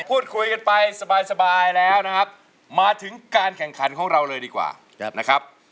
พูดคุยกันไปสบายแล้วนะครับมาถึงการแข่งขันของเราเลยดีกว่านะครับ